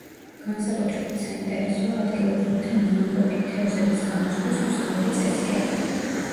განსაკუთრებით საინტერესოა ადგილობრივთა ნაამბობი: თევზების გამოსვლის უცნაური წესი აქვთ.